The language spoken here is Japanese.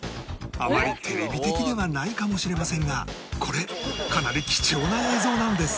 あまりテレビ的ではないかもしれませんがこれかなり貴重な映像なんです